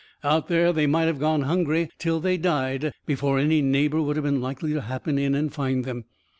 Out there they might have gone hungry till they died before any neighbour would have been likely to happen in and find them.